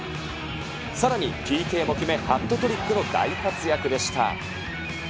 さらにＰＫも決め、ハットトリックの大活躍でした。